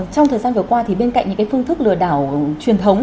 trong thời gian vừa qua thì bên cạnh những phương thức lừa đảo truyền thống